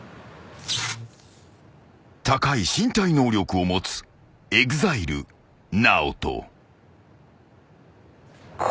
［高い身体能力を持つＥＸＩＬＥＮＡＯＴＯ］